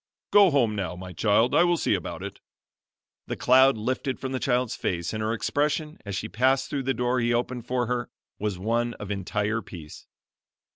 Go home now, my child. I will see about it." The cloud lifted from the child's face, and her expression, as she passed through the door he opened for her, was one of entire peace.